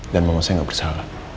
dan mau saya gak bersalah